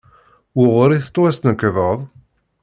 Wuɣur i tettwasnekdeḍ?